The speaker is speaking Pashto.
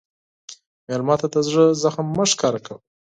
مېلمه ته د زړه زخم مه ښکاره کوه.